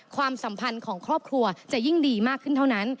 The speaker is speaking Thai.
ความสัมพันธ์ของครอบครัวจะยิ่งดีมากขึ้นเท่านั้น